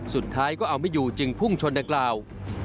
สุดท้ายก็เอาไม่อยู่จึงพุ่งชนดังกล่าว